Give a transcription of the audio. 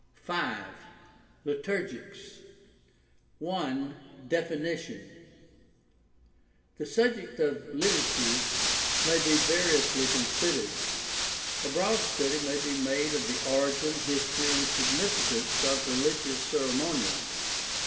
v. LITURGICS I. DEFINITION The subject of liturgies may be variously considered. A broad study may be made of the origin, history, and signifi cance of religious ceremonial.